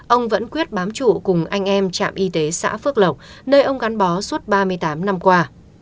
ông vẫn quyết bám trụ cùng anh em trạm y tế xã phước lộc nơi ông gắn bó suốt ba mươi tám năm qua